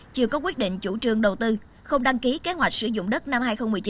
chưa có quyết định chủ trương đầu tư không đăng ký kế hoạch sử dụng đất năm hai nghìn một mươi chín